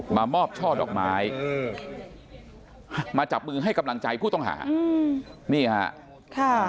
มามอบช่อดอกไม้อืมมาจับมือให้กำลังใจผู้ต้องหาอืมนี่ฮะค่ะ